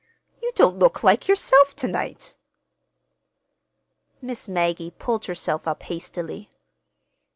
"You don't look like yourself to night!" Miss Maggie pulled herself up hastily.